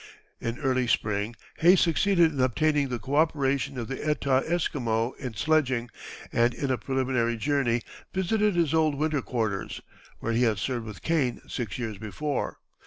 In early spring Hayes succeeded in obtaining the co operation of the Etah Esquimaux in sledging, and in a preliminary journey visited his old winter quarters, where he had served with Kane six years before.